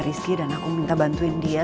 rizky dan aku minta bantuin dia